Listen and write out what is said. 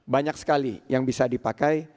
banyak sekali yang bisa dipakai